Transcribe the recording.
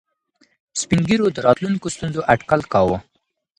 سپین ږیرو د راتلونکو ستونزو اټکل کاوه.